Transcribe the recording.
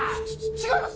違います！